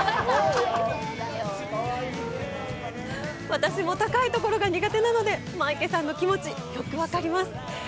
私も高いところが苦手なのでマイケさんの気持ち、よくわかります。